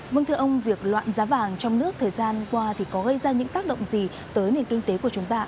vâng thưa ông việc loạn giá vàng trong nước thời gian qua thì có gây ra những tác động gì tới nền kinh tế của chúng ta